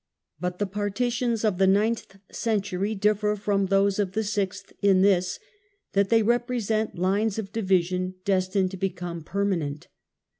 But the partitions of the ninth century differ from those of the sixth in this, that they represent lines of division destined to become permanent.